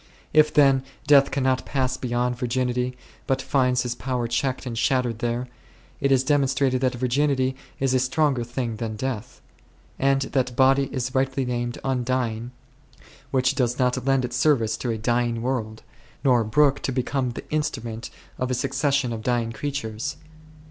If, then, death cannot pass beyond vir ginity, but finds his power checked and shattered there, it is demonstrated that virginity is a stronger thing than death ; and that body is rightly named undying which does not lend its service to a dying world, nor brook to become the instrument of a succession of dying crea tures.